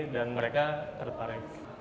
dan mereka tertarik